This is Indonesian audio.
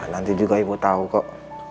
nanti juga ibu tahu kok